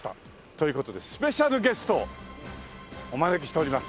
という事でスペシャルゲストをお招きしております。